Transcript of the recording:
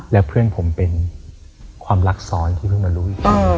และเพื่อนผมเป็นความรักซ้อนที่เพิ่งมารู้อีกที